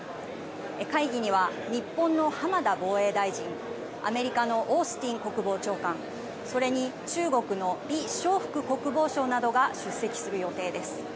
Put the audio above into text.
会議には日本の浜田防衛大臣アメリカのオースティン国防長官それに中国の李尚福国防相などが出席する予定です。